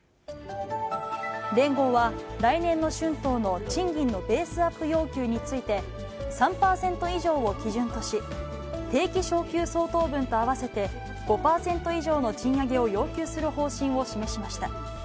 連合は来年の春闘の賃金のベースアップ要求について、３％以上を基準とし、定期昇給相当分と合わせて５％以上の賃上げを要求する方針を示しました。